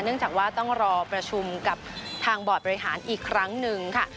จากว่าต้องรอประชุมกับทางบอร์ดบริหารอีกครั้งหนึ่งค่ะ